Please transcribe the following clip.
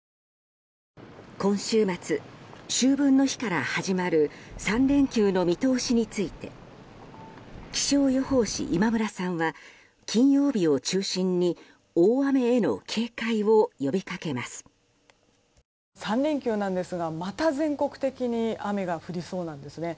今週末、秋分の日から始まる３連休の見通しについて気象予報士・今村さんは金曜日を中心に大雨への警戒を呼びかけます。